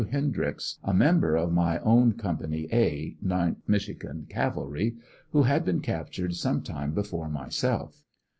Hendryx, a member of my own company *'A" 9th Mich. Cavalry, who had been captured some time before myself.